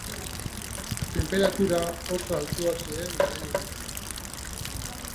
Tenperatura oso altuak ziren garai honetan